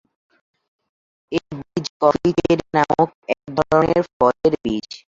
এই বীজ coffee cherry নামক এক ধরনের ফলের বীজ।